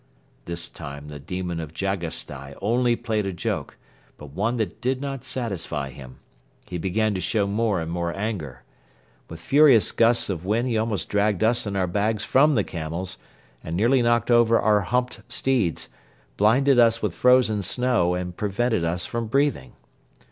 This time the demon of Jagasstai only played a joke but one that did not satisfy him. He began to show more and more anger. With furious gusts of wind he almost dragged us and our bags from the camels and nearly knocked over our humped steeds, blinded us with frozen snow and prevented us from breathing.